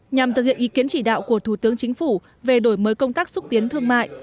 nhằm thực hiện ý kiến chỉ đạo của thủ tướng chính phủ về đổi mới công tác xúc tiến thương mại